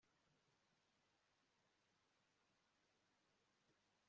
yabwiye nyirabuja ati gira amata inkono igicuba